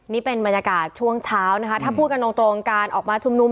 นี่เป็นบรรยากาศช่วงเช้านะคะถ้าพูดกันตรงตรงการออกมาชุมนุม